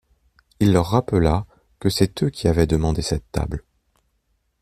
Il leur rappela que c'est eux qui avaient demandé cette table.